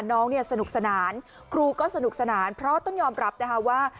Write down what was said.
น้องเนี่ยสนุกสนานครูก็สนุกสนานเพราะต้องยอมรับนะคะว่า